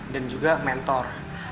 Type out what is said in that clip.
dan juga mentor